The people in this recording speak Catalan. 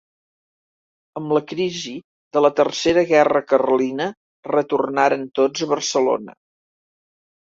Amb la crisi de la Tercera Guerra Carlina retornaren tots a Barcelona.